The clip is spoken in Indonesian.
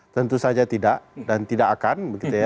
tentu saja tidak dan tidak akan